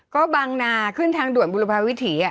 ก็บางนาขึ้นทางด่วนบุรพาวิถี